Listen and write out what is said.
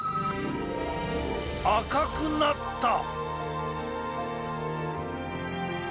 赤くなった！